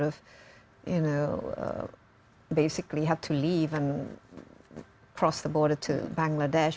dan berjalan ke bandara bangladesh